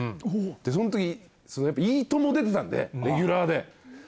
その時『いいとも！』出てたんでレギュラーで。